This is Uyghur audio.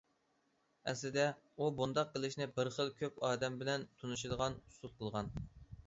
ئەسلىدە ئۇ بۇنداق قىلىشنى بىر خىل كۆپ ئادەم بىلەن تونۇشىدىغان ئۇسۇل قىلغان.